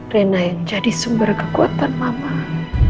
reina yang jadi sumber kekuatan mamah